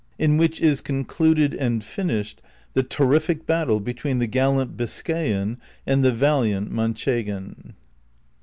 IN WHICH IS COXCLUBED AXD FINISHED THE TEKKIFIO BATTLE BETWEEN THE GALLANT BISCAY AN AND THE VALIANT MANCHEGAN.